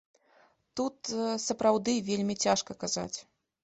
Тут сапраўды вельмі цяжка казаць.